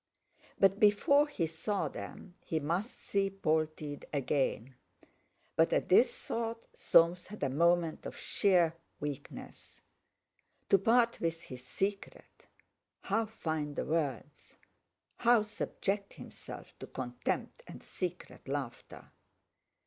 But before he saw them he must see Polteed again. But at this thought Soames had a moment of sheer weakness. To part with his secret? How find the words? How subject himself to contempt and secret laughter?